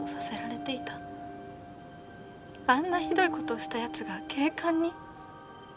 あんなひどい事をした奴が警官に？